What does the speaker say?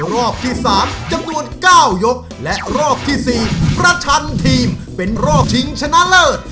รอบที่๓จำนวน๙ยกและรอบที่๔ประชันทีมเป็นรอบชิงชนะเลิศ